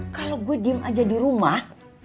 kalau gue diem aja di rumah